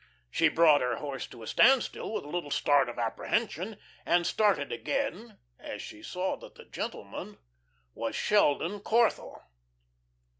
She brought her horse to a standstill with a little start of apprehension, and started again as she saw that the gentleman was Sheldon Corthell.